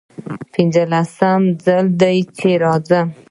پنځلسم ځل دی چې راځم.